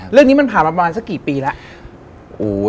เรื่องนี้มันผ่านมาประมาณสักกี่ปีแล้ว